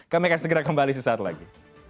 kami akan segera kembali sesaat lagi